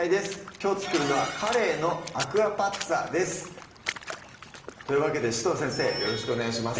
きょう作るのは「かれいのアクアパッツァ」ですというわけで紫藤先生よろしくお願いします